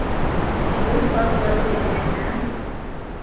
Шул саҡлы өймәһәң...